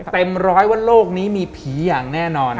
เต็มร้อยว่าโลกนี้มีผีอย่างแน่นอน